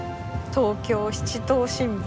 『東京七島新聞』。